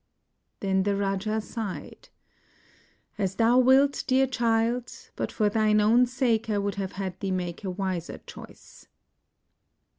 Then the raja sighed, "As thou wilt, dear child, but for thine own sake I would have had thee make a wiser choice."